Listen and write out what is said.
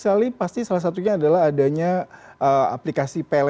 dan menarik sekali pasti salah satunya adalah adanya aplikasi pinjaman